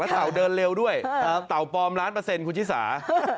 เต่าเดินเร็วด้วยเต่าปลอมล้านเปอร์เซ็นคุณชิสา